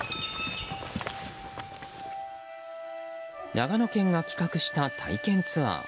長野県が企画した体験ツアー。